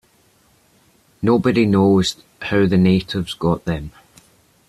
Nobody knows how the natives got them.